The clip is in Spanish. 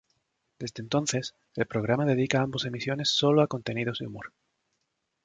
Desde entonces, el programa dedica ambos emisiones sólo a contenidos de humor.